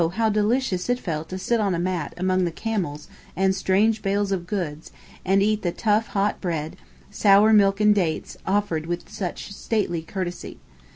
how delicious it felt to sit on a mat among the camels and strange bales of goods and eat the hot tough bread, sour milk and dates, offered with such stately courtesy.